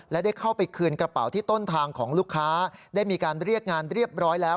และได้เข้าไปคืนกระเป๋าที่ต้นทางของลูกค้าได้มีการเรียกงานเรียบร้อยแล้ว